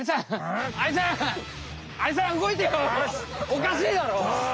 おかしいだろ！